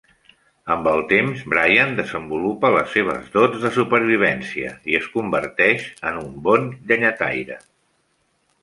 Amb el temps, Brian desenvolupa les seves dots de supervivència i es converteix en un bon llenyataire.